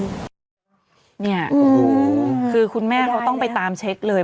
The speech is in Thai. เนี่ยคือคุณแม่เขาต้องไปตามเช็คเลย